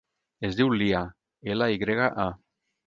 Es diu Lya: ela, i grega, a.